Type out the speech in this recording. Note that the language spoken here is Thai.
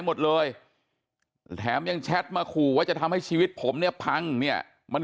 หมดเลยแถมยังแชทมาขู่ว่าจะทำให้ชีวิตผมเนี่ยพังเนี่ยมัน